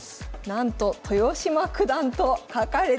なんと豊島九段と書かれております。